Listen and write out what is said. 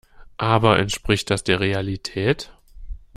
Aber entspricht das der Realität?